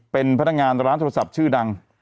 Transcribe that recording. เป็นพนักงานร้านโทรศัพท์ชื่อดัง